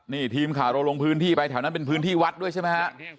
นี่ทีมข่าวเราลงพื้นที่ไปแถวนั้นเป็นพื้นที่วัดด้วยใช่ไหมฮะ